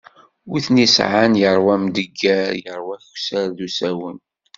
Wi ten-yesεan yeṛwa amdegger, yeṛwa akkessar d usawen.